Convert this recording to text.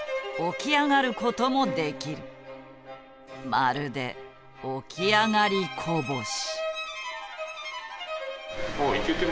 まるで起き上がりこぼし。